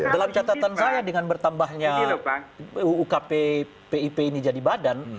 dalam catatan saya dengan bertambahnya uukp pip ini jadi badan